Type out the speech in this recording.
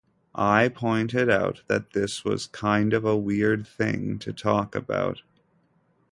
I pointed out that this was kind of a weird thing to talk about.